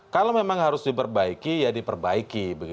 kalau memang harus diperbaiki ya diperbaiki